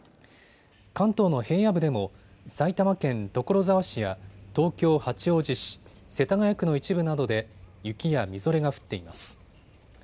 関東の平野部でも埼玉県所沢市や東京八王子市、世田谷区の一部などで雪やみぞれが降っています。